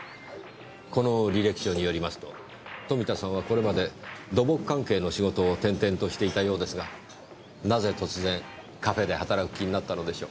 この履歴書によりますと富田さんはこれまで土木関係の仕事を転々としていたようですがなぜ突然カフェで働く気になったのでしょう？